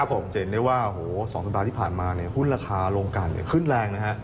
ผมจะเห็นได้ว่า๒สัปดาห์ที่ผ่านมาหุ้นราคาลงกันขึ้นแรงนะฮะ